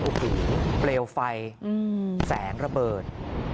โอ้โหเปลวไฟแสงระเบิด